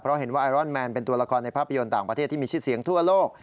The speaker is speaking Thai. เพราะเห็นว่าไอรอนแมนเป็นตัวละครในภาพยนตร์ต่างประเทศที่มีชื่อเสียงทั่วโลก